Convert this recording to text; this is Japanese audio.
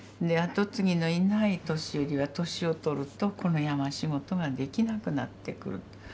跡継ぎのいない年寄りは年を取るとこの山仕事ができなくなってくる。